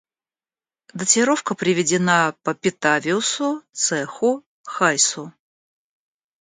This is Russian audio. датировка приведена по Петавиусу, Цеху, Хайсу